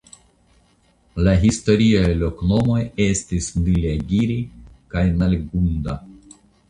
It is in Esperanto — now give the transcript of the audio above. La historiaj loknomoj estis "Nilagiri" kaj "Nalgunda".